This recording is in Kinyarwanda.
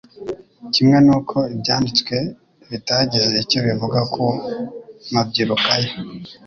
kimwe n'uko ibyanditswe bitagize icyo bivuga ku mabyiruka ye.